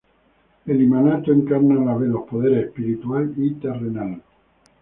El imanato encarna a la vez los poderes espiritual y terrenal.